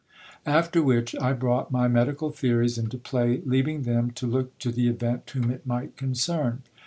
After which I brought my medical theories into play, leaving them to look to the event whom it might concern.